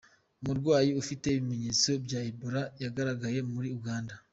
Umurwayi ufite ibimenyetso bya Ebola yagaragaye muri Uganda .